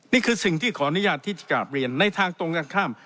นี่คือสิ่งที่ขออนุญาตที่จะกราบเรียนในทางตรงกันข้าม